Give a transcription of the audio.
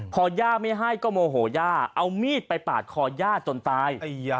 พอย่าไม่ให้ก็โมโหย่าเอามีดไปปาดคอย่าจนตาย